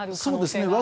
そうですね。